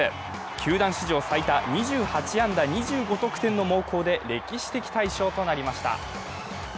球団史上最多２８安打２５得点の猛攻で、歴史的大勝となりました。